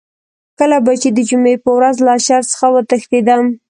کله به چې د جمعې په ورځ له اشر څخه وتښتېدم.